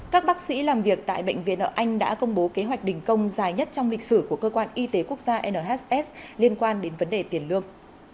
các bác sĩ làm việc tại bệnh viện ở anh đã công bố kế hoạch đình công dài nhất trong lịch sử của cơ quan y tế quốc gia nhs liên quan đến vấn đề tiền lương